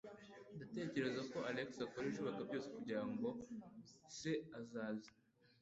Ndatekereza ko Alex akora ibishoboka byose kugirango se asaze.